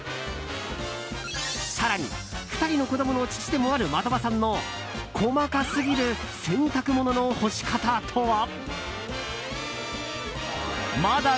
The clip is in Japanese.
更に、２人の子供の父でもある的場さんの細かすぎる洗濯物の干し方とは？